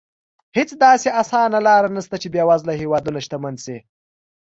هېڅ داسې اسانه لار نه شته چې بېوزله هېوادونه شتمن شي.